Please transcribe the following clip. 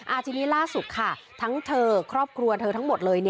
ทีนี้ล่าสุดค่ะทั้งเธอครอบครัวเธอทั้งหมดเลย